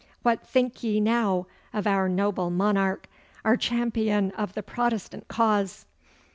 'What think ye now of our noble monarch, our champion of the Protestant cause?